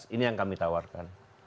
ini yang kami tawarkan